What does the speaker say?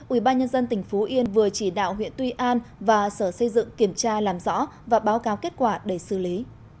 ubnd tỉnh phú yên vừa chỉ đạo huyện tuy an và sở xây dựng kiểm tra làm rõ và báo cáo kết quả để xử lý